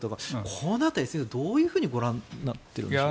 この辺りは先生、どうご覧になっているんでしょうか。